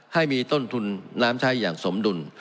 ให้มีต้นทุนน้ำใช้อย่างสมดุล